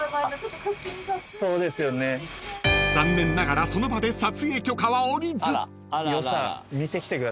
［残念ながらその場で撮影許可は下りず］